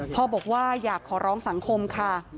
พ่อบอกว่าอยากขอร้องสังคมค่ะ